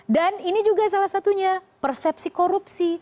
ini juga salah satunya persepsi korupsi